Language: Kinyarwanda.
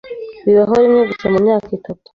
Bibaho rimwe gusa mumyaka itatu.